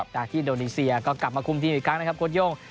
จากที่อินโดนีเซียก็กลับมาคุมทีมอีกครั้งนะครับโค้ดโย่ง